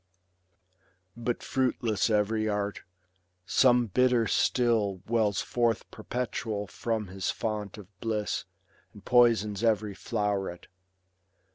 But fruitless every art ; some bitter still Wells forth perpetual from his fount of bliss, And poisons every floVret.